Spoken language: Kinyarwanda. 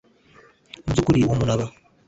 mu by ukuri uwo muntu aba